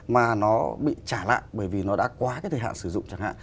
mà nó bị trả lại bởi vì nó đã quá cái thời hạn sử dụng chẳng hạn